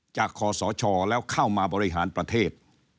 คอสชแล้วเข้ามาบริหารประเทศ